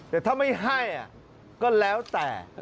แต่ถ้าไม่ให้ก็แล้วแต่